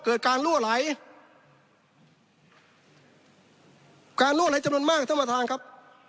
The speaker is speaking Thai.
เกิดการลั่วไหลการลั่วไหลจำนวนมากท่านประธานครับ